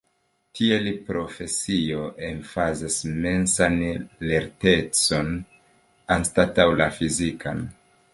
Tiel, profesio emfazas mensan lertecon anstataŭ la fizikan.